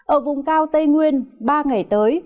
ở vùng cao tây nguyên ba ngày tới